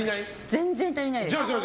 全然足りないです。